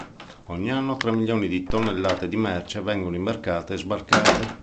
Ogni anno tre milioni di tonnellate di merce vengono imbarcate e sbarcate.